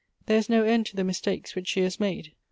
There is no end to the mistakes which she has made."